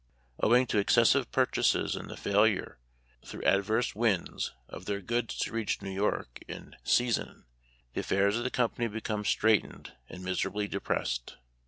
Owing to excessive purchases, and the failure, through adverse winds, of their goods to reach New York in season, the affairs of the company became straitened and miserably depressed.